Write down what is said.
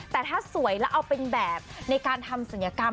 แต่ถ้าสวยแล้วเอาเป็นแบบในการทำศัลยกรรม